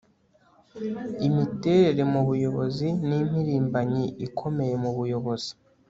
imiterere mu buyobozi ni impirimbanyi ikomeye mu buyobozi